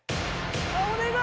お願い！